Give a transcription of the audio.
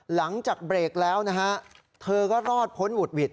หลังจากเบรกแล้วนะฮะเธอก็รอดพ้นหุดหวิด